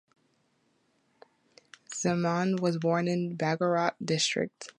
Zaman was born in Bagerhat District.